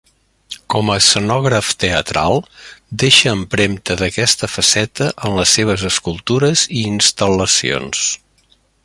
Com a escenògraf teatral, deixa empremta d'aquesta faceta en les seves escultures i instal·lacions.